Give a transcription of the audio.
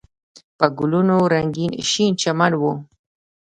په ګلونو رنګین شین چمن و.